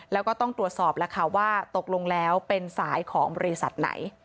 แล้วก็ต้องตรวจสอบแล้วค่ะว่าตกลงแล้วเป็นสายของบริษัทไหน